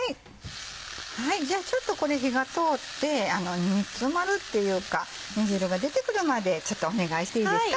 じゃあちょっとこれ火が通って煮詰まるっていうか煮汁が出てくるまでちょっとお願いしていいですか？